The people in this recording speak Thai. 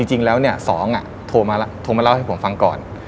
จริงแล้ว๒โทรมาเล่าให้ผมฟังก่อน